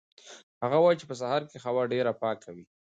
هغه وایي چې په سهار کې هوا ډېره پاکه وي.